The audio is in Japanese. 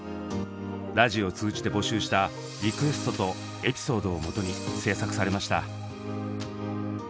ラジオを通じて募集したリクエストとエピソードをもとに制作されました。